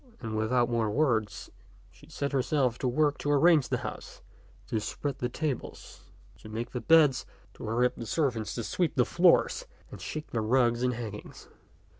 And without more words she set herself to work to arrange the house, to spread the tables, to make the beds, to hurry on the servants to sweep the floors and shake the rugs and hangings.